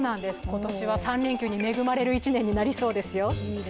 今年は３連休に恵まれる１年になりそうですよ。